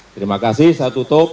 terima kasih saya tutup